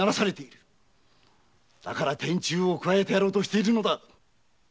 だから天誅を加えてやろうとしているのだ！